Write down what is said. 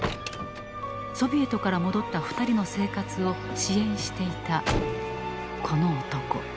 ソビエトから戻った２人の生活を支援していたこの男。